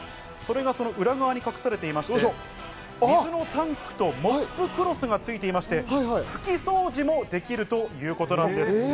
裏側に隠されていまして、水のタンクとモップクロスがついていまして、拭き掃除もできるということなんです。